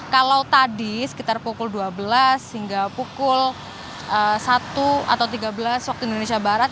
kalau tadi sekitar pukul dua belas hingga pukul satu atau tiga belas waktu indonesia barat